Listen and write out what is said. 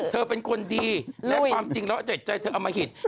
เธอเป็นคนดีและความจริงแล้วเจ็ดใจเธอเอามาหิต